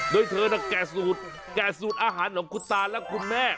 โดยเธอแก่สูตรแก่สูตรอาหารของคุณตาและคุณแม่